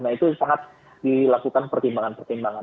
nah itu sangat dilakukan pertimbangan pertimbangan